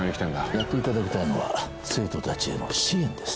やっていただきたいのは生徒たちへの支援です。